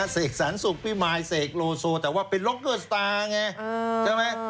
เสกสรรสุขพี่มายเสกโลโซแต่ว่าเป็นล็อกเกอร์สตาร์ไงใช่ไหม